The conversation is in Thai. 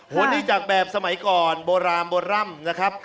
วันนี้จากแบบสมัยก่อนโบราณโบร่ำนะครับ